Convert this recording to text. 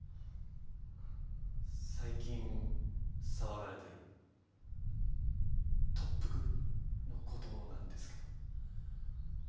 最近騒がれてる特服？のことなんですけど。